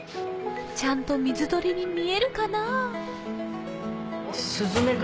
ちゃんと水鳥に見えるかな？